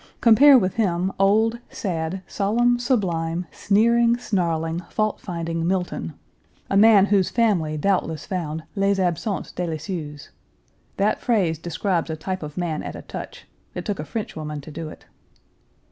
Compare with him old, sad, solemn, sublime, sneering, snarling, Page 298 fault finding Milton, a man whose family doubtless found "les absences délicieuses." That phrase describes a type of man at a touch; it took a Frenchwoman to do it.